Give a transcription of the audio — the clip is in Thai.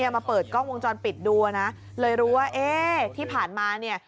มาเปิดกล้องวงจรปิดดูนะเลยรู้ว่าเอ๊ะที่ผ่านมาเนี่ย